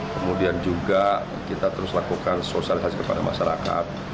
kemudian juga kita terus lakukan sosialisasi kepada masyarakat